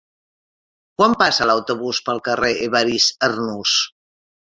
Quan passa l'autobús pel carrer Evarist Arnús?